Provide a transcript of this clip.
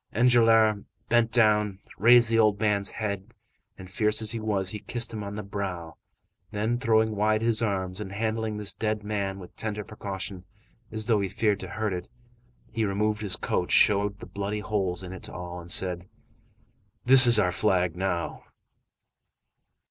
Enjolras bent down, raised the old man's head, and fierce as he was, he kissed him on the brow, then, throwing wide his arms, and handling this dead man with tender precaution, as though he feared to hurt it, he removed his coat, showed the bloody holes in it to all, and said:— "This is our flag now."